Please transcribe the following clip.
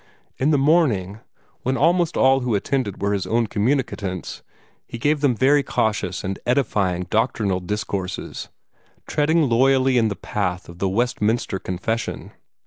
In the morning, when almost all who attended were his own communicants, he gave them very cautious and edifying doctrinal discourses, treading loyally in the path of the Westminster Confession.